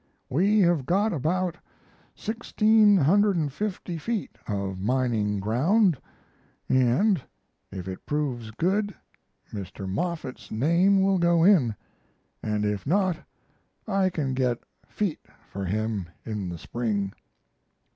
We have got about 1,650 feet of mining ground, and, if it proves good, Mr. Moffett's name will go in, and if not I can get "feet" for him in the spring.